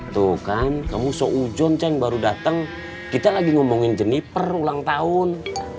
tuh kan kamu soujon ceng baru datang kita lagi ngomongin jeniper ulang tahun